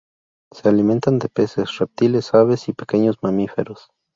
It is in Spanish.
Se alimentan de peces, reptiles, aves, y pequeños mamíferos.